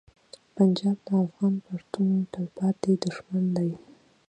پنجاب د افغان پښتون تلپاتې دښمن دی.